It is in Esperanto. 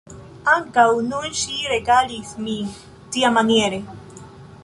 Ankaŭ nun ŝi regalis min tiamaniere.